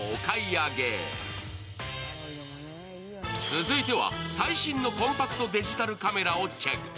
続いては、最新のコンパクトデジタルカメラをチェック。